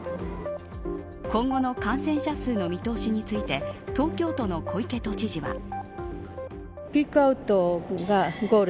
今後の感染者数の見通しについて東京都の小池都知事は。